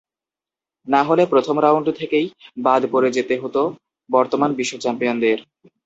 না হলে প্রথম রাউন্ড থেকেই বাদ পড়ে যেতে হতো বর্তমান বিশ্ব চ্যাম্পিয়নদের।